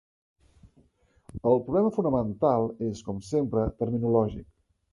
El problema fonamental és, com sempre, terminològic.